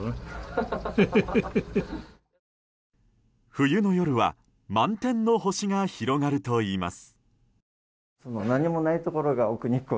冬の夜は満天の星が広がるといいます。